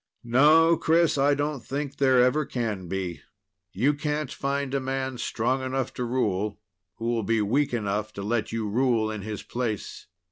No, Chris, I don't think there ever can be. You can't find a man strong enough to rule who'll be weak enough to let you rule in his place.